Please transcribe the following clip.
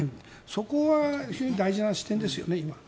それは非常に大事な視点ですよ。